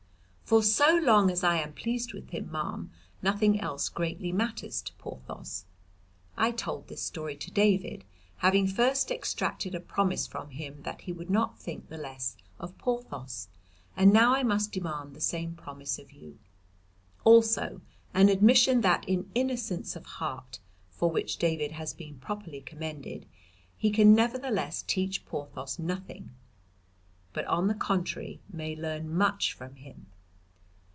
For so long as I am pleased with him, ma'am, nothing else greatly matters to Porthos. I told this story to David, having first extracted a promise from him that he would not think the less of Porthos, and now I must demand the same promise of you. Also, an admission that in innocence of heart, for which David has been properly commended, he can nevertheless teach Porthos nothing, but on the contrary may learn much from him.